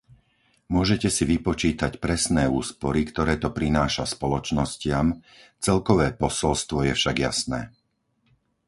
Môžete si vypočítať presné úspory, ktoré to prináša spoločnostiam, celkové posolstvo je však jasné.